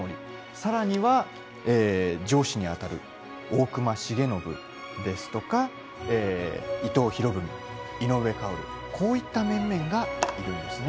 さらには上司にあたる大隈重信とか伊藤博文、井上馨という面々がいるんですね。